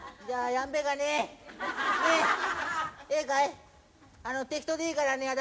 じゃあやんべかね！